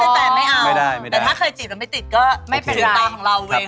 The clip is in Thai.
ถ้าเป็นแฟนไม่เอาแต่ถ้าเคยจีบกันไม่ติดก็ไม่เป็นเป็นตาของเราไม่ได้